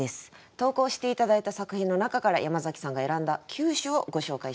投稿して頂いた作品の中から山崎さんが選んだ９首をご紹介していきます。